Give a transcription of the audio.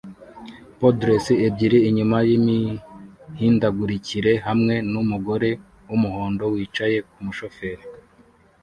Poodles ebyiri inyuma yimihindagurikire hamwe numugore wumuhondo wicaye kumushoferi